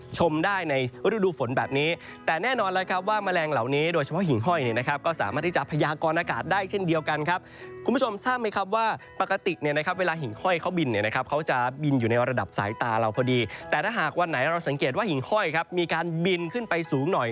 ชมได้ในฤดูฝนแบบนี้แต่แน่นอนแล้วครับว่าแมลงเหล่านี้โดยเฉพาะหิ่งห้อยเนี่ยนะครับก็สามารถที่จะพยากรอากาศได้เช่นเดียวกันครับคุณผู้ชมทราบไหมครับว่าปกติเนี่ยนะครับเวลาหิ่งห้อยเขาบินเนี่ยนะครับเขาจะบินอยู่ในระดับสายตาเราพอดีแต่ถ้าหากวันไหนเราสังเกตว่าหิ่งห้อยครับมีการบินขึ้นไปสูงหน่อย